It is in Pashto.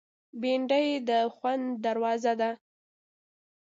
بېنډۍ د خوند دروازه ده